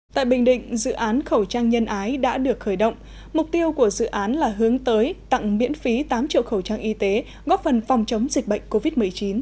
tại bình định dự án khẩu trang nhân ái đã được khởi động mục tiêu của dự án là hướng tới tặng miễn phí tám triệu khẩu trang y tế góp phần phòng chống dịch bệnh covid một mươi chín